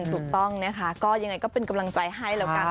ถูกต้องนะคะก็ยังไงก็เป็นกำลังใจให้แล้วกัน